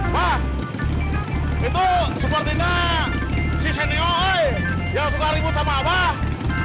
bah itu sepertinya si senio oi yang sudah ribut sama abah